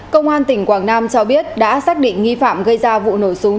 công an tỉnh quảng nam cho biết đã xác định nghi phạm gây ra vụ nổ súng